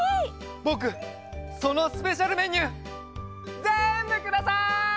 ぼくそのスペシャルメニューぜんぶください！